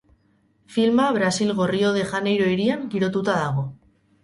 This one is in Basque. Filma, Brasilgo Rio de Janeiro hirian girotuta dago.